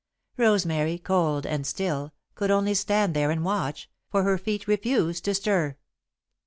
Rosemary, cold and still, could only stand there and watch, for her feet refused to stir.